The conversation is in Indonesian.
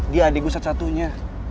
dia adek gue satu satunya